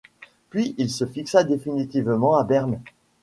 Puis il se fixa définitivement à Berne.